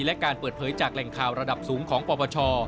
และการเปิดเผยจากแหล่งข่าวระดับสูงของปปช